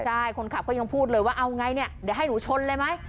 ใช่คนขับก็ยังพูดเลยว่าเอาไงเนี่ยเดี๋ยวให้หนูชนเลยไหม